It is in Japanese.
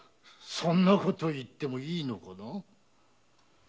そんなことを言ってもいいのかな？